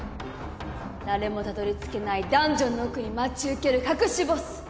誰もたどり着けないダンジョンの奥に待ち受ける隠しボス！